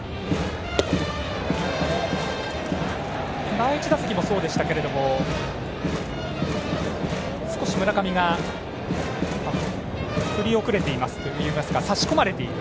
第１打席もそうでしたけど少し村上が振り遅れていますといいますか差し込まれている。